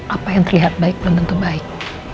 apa yang terlihat baik belum tentu baik